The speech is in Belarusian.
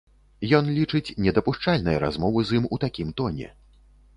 Ён лічыць недапушчальнай размову з ім у такім тоне.